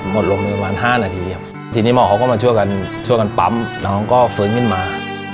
หมดลงในประมาณ๕นาทีครับทีนี้หมอเขาก็มาช่วยกันช่วยกันปั๊มน้องก็ฟื้นขึ้นมา